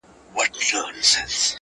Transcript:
قاضي و ویل سړي ته نه شرمېږي،